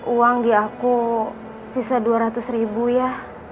uang di aku sisa dua ratus ribu ya